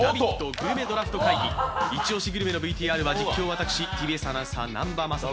グルメドラフト会議、一押しグルメのＶＴＲは実況、、ＴＢＳアナウンサーの南波雅俊。